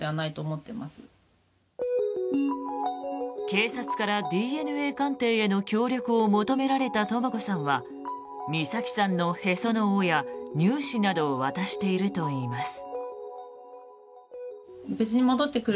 警察からＤＮＡ鑑定の協力を求められたとも子さんは美咲さんのへその緒や乳歯などを渡しているといいます。